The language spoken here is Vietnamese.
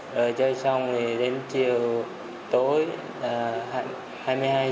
rồi chơi xong đến chiều tối hai mươi hai h ba mươi